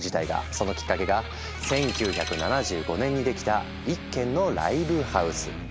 そのきっかけが１９７５年にできた一軒のライブハウス。